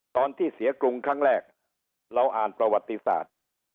ตอนที่เสียกรุงครั้งแรกเราอ่านประวัติศาสตร์